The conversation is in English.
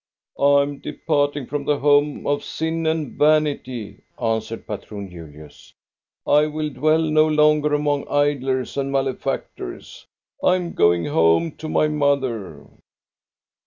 "I am departing from the home of sin and vanity," answered Patron Julius. "I will dwell no longer among idlers and malefactors. I am going home to my mother.